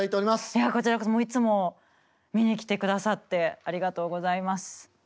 いやこちらこそいつも見に来てくださってありがとうございます。